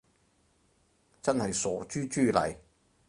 真係傻豬豬嚟